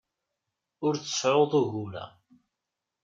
Ur tseɛɛuḍ ugur-a.